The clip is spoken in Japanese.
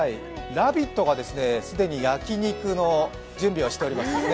「ラヴィット！」が既に焼き肉の準備をしています。